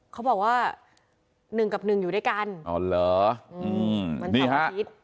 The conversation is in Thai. เขาบอกว่าหนึ่งกับหนึ่งอยู่ด้วยกันอ๋อเหรออืมมันดีทั้งชีวิต